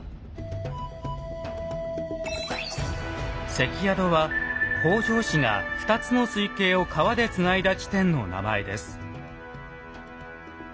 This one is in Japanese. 「関宿」は北条氏が２つの水系を川でつないだ地点の名前です。